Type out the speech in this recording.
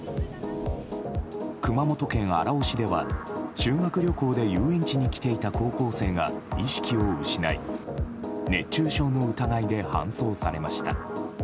熊本県荒尾市では、修学旅行で遊園地に来ていた高校生が意識を失い、熱中症の疑いで搬送されました。